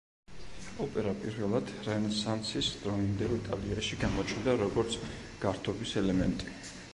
ოპერა პირველად რენესანსის დროინდელ იტალიაში გამოჩნდა, როგორც გართობის ელემენტი.